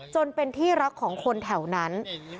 จนเป็นที่รักของคนแถวนั้น